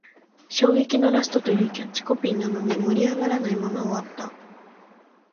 衝撃のラストというキャッチコピーなのに、盛り上がらないまま終わった